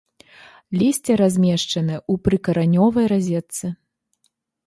Лісце размешчаны ў прыкаранёвай разетцы.